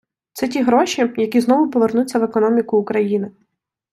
Це ті гроші, які знову повернуться в економіку України.